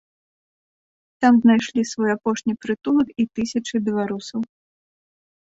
Там знайшлі свой апошні прытулак і тысячы беларусаў.